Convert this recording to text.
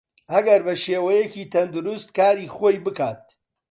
ئەگەر بەشێوەیەکی تەندروست کاری خۆی بکات